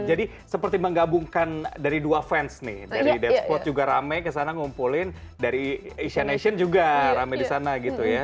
jadi seperti menggabungkan dari dua fans nih dari dead squad juga rame kesana ngumpulin dari isyanaation juga rame disana gitu ya